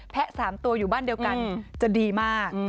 ๓ตัวอยู่บ้านเดียวกันจะดีมาก